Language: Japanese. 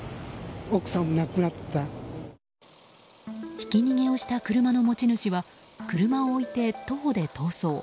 ひき逃げをした車の持ち主は車を置いて、徒歩で逃走。